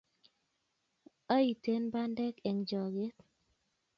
aiten bandek eng' choget